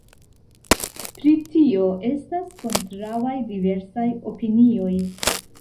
Pri tio estas kontraŭaj diversaj opinioj.